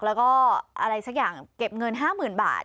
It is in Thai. แล้วก็อะไรสักอย่างเก็บเงิน๕๐๐๐บาท